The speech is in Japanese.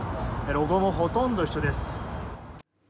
ロゴもほとんど一緒です。